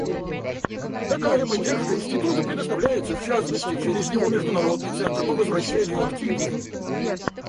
Такая поддержка Институту предоставляется, в частности, через его Международный центр по возвращению активов.